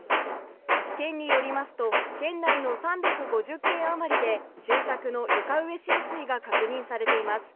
県によりますと県内の３５０軒あまりで住宅の床上浸水が確認されています。